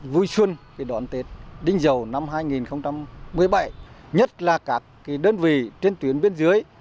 vui xuân đón tết đinh giàu năm hai nghìn một mươi bảy nhất là các đơn vị trên tuyến biên giới